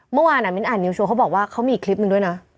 เมื่อวานมิ้นอ่านนิวโชว์เขาบอกว่าเขามีอีกคลิปหนึ่งด้วยนะ